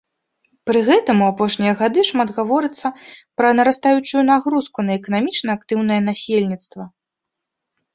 Пры гэтым у апошнія гады шмат гаворыцца пра нарастаючую нагрузку на эканамічна актыўнае насельніцтва.